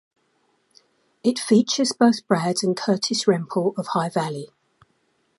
It features both Brad and Curtis Rempel of High Valley.